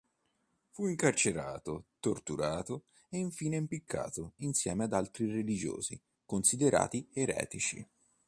Fu incarcerato, torturato e infine impiccato insieme ad altri religiosi considerati eretici.